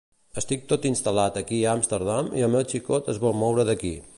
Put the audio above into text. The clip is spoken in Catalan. Estic tot instal·lat aquí a Amsterdam i el meu xicot es vol moure d'aquí.